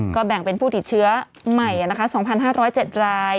ก็แบ่งเป็นผู้ติดเชื้อใหม่นะคะสองพันห้าร้อยเจ็ดราย